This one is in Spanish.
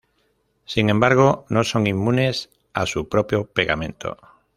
Sin embargo, no son inmunes a su propio pegamento.